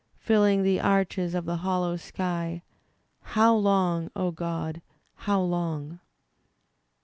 Filling the arches of the hollow sky. HOW LONG, O GOD, HOW LONG?